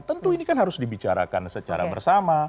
tentu ini kan harus dibicarakan secara bersama